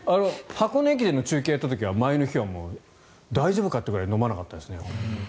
箱根駅伝の中継をやった時は前の日は、大丈夫かってくらい飲まなかったですね。